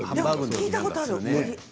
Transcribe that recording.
聞いたことある。